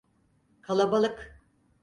Kalabalık.